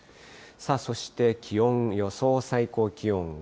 そして気温、予想最高気温が。